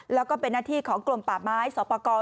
แล้วก็เป็นหน้าที่ของกลมป่าไม้สอปกร